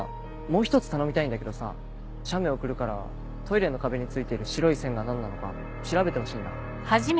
もう１つ頼みたいんだけどさ写メ送るからトイレの壁に付いてる白い線が何なのか調べてほしいんだ。